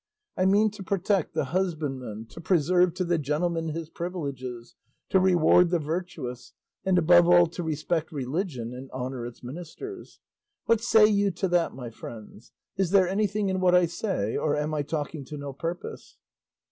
I mean to protect the husbandman, to preserve to the gentleman his privileges, to reward the virtuous, and above all to respect religion and honour its ministers. What say you to that, my friends? Is there anything in what I say, or am I talking to no purpose?"